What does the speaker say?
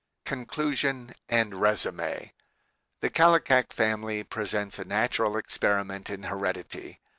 CONCLUSION AND RESUME The Kallikak family presents a natural experiment in heredity.